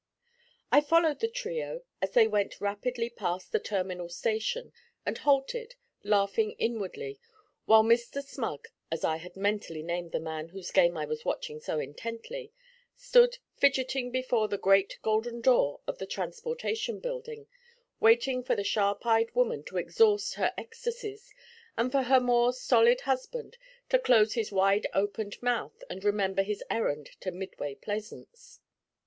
I followed the trio as they went rapidly past the Terminal Station, and halted, laughing inwardly, while Mr. Smug, as I had mentally named the man whose game I was watching so intently, stood fidgeting before the great golden door of the Transportation Building waiting for the sharp eyed woman to exhaust her ecstasies, and for her more stolid husband to close his wide opened mouth and remember his errand to Midway Plaisance.